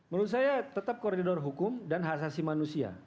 menurut saya tetap koridor hukum dan khasasi manusia